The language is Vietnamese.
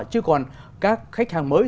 chứ còn các khách hàng mới